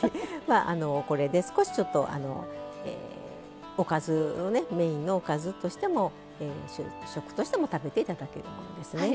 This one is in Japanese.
これで少しちょっとメインのおかずとしても主食としても食べて頂けるものですね。